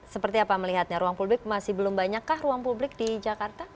seperti apa melihatnya ruang publik masih belum banyakkah ruang publik di jakarta